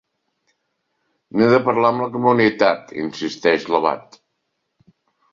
N'he de parlar amb la comunitat —insisteix l'abat.